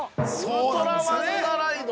ウルトラマン・ザ・ライド。